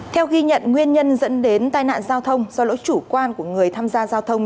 theo ghi nhận nguyên nhân dẫn đến tai nạn giao thông do lỗi chủ quan của người tham gia giao thông